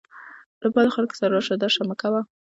له بدو خلکو سره راشه درشه مه کوه